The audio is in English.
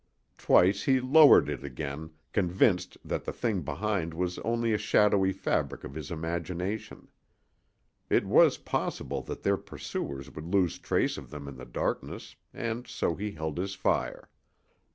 Twice he lowered it again, convinced that the thing behind was only a shadowy fabric of his imagination. It was possible that their pursuers would lose trace of them in the darkness, and so he held his fire.